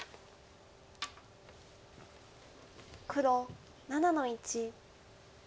黒７の一。